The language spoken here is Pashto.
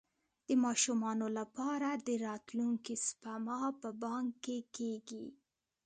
د ماشومانو لپاره د راتلونکي سپما په بانک کې کیږي.